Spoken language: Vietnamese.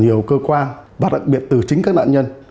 nhiều cơ quan và đặc biệt từ chính các nạn nhân